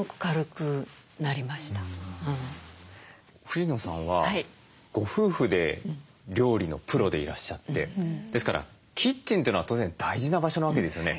藤野さんはご夫婦で料理のプロでいらっしゃってですからキッチンというのは当然大事な場所なわけですよね。